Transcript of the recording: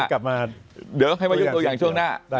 กลับมาเดี๋ยวให้มายกตัวอย่างช่วงหน้า